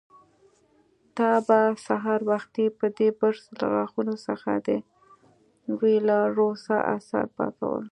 تا به سهار وختي په دې برس له غاښونو څخه د وېلاروسا آثار پاکول.